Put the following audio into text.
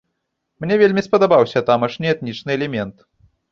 Мне вельмі спадабаўся тамашні этнічны элемент.